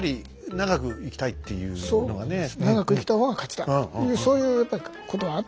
長く生きた方が勝ちだというそういうことはあったと思いますね。